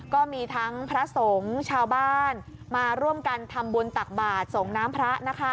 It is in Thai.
ก็มีทั้งพระสงฆ์ชาวบ้านมาร่วมกันทำบุญตักบาทส่งน้ำพระ